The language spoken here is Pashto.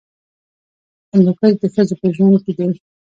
هندوکش د ښځو په ژوند کې دي.